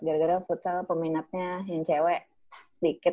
gara gara futsal peminatnya yang cewek sedikit